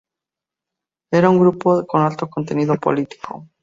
Era un grupo con alto contenido político.